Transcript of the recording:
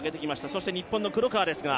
そして日本の黒川ですが。